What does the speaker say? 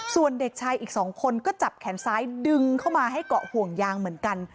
ส่วนเด็กชายอีก๒คนก็จับแขนซ้ายดึงเข้ามาให้เกาะห่วงยางเหมือนกัน